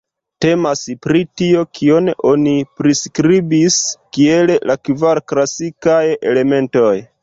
Temas pri tio, kion oni priskribis kiel la kvar klasikaj elementoj.